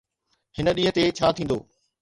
هن ڏينهن تي ڇا ٿيندو؟